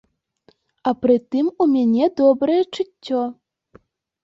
А пры тым у мяне добрае чуццё.